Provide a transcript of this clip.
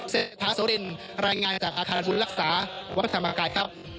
เซธาโซลินรายงานจากอาคารคุณรักษาวัฒนธรรมกายครับ